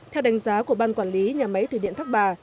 theo đánh giá của ban quản lý nhà máy thủy điện thác bà